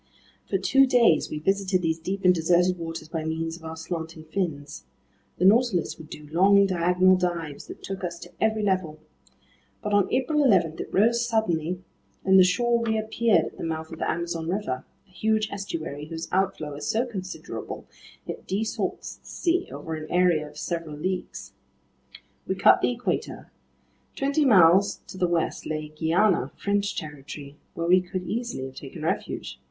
For two days we visited these deep and deserted waters by means of our slanting fins. The Nautilus would do long, diagonal dives that took us to every level. But on April 11 it rose suddenly, and the shore reappeared at the mouth of the Amazon River, a huge estuary whose outflow is so considerable, it desalts the sea over an area of several leagues. We cut the Equator. Twenty miles to the west lay Guiana, French territory where we could easily have taken refuge.